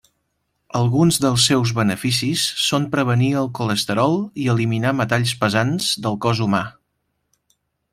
Alguns dels seus beneficis són prevenir el colesterol i eliminar metalls pesants del cos humà.